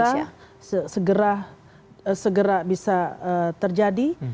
gencatan senjata segera bisa terjadi